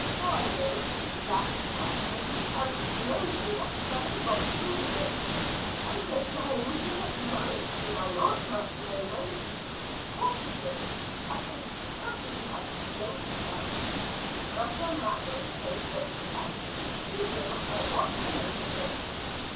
"Dying!" laughed the Captain. "How strangely that fellow got things mixed. I said dying to get married did I not, Master Raymond?" "Of course you did that is, after you had explained yourself." Master Mather's face looked blank, he did not know what to make of it.